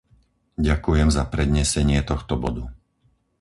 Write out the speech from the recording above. Ďakujem za prednesenie tohto bodu.